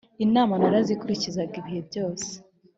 inama narazikurikizaga ibihe byose